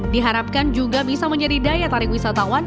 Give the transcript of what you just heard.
diharapkan juga bisa menjadi daya tarik wisatawan